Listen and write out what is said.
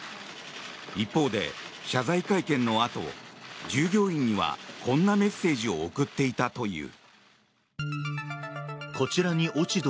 一方で謝罪会見のあと従業員にはこんなメッセージを送っていたという。